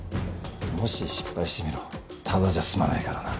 もし失敗してみろただじゃ済まないからな。